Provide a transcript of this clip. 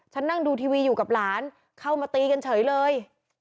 นั่งดูทีวีอยู่กับหลานเข้ามาตีกันเฉยเลย